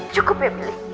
cukup ya beli